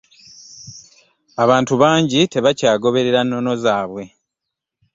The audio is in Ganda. Abantu bangi tebakyagoberera nono zaabwe.